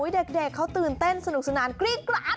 เด็กเขาตื่นเต้นสนุกสนานกรี๊ดกราด